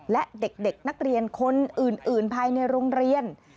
และเด็กนักเรียนคนอื่นภายในโรงเรียน